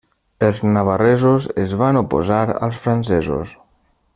Els navarresos es van oposar als francesos.